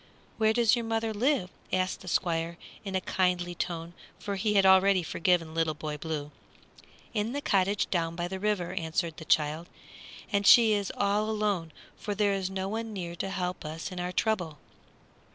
"Where does your mother live?" asked the Squire, in a kindly tone, for he had already forgiven Little Boy Blue. "In the cottage down by the river," answered the child; "and she is all alone, for there is no one near to help us in our trouble."